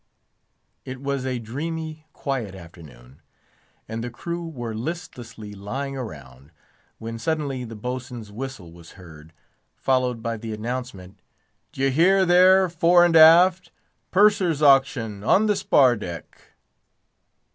It was a dreamy, quiet afternoon, and the crew were listlessly lying around, when suddenly the Boatswain's whistle was heard, followed by the announcement, "D'ye hear there, fore and aft? Purser's auction on the spar deck!"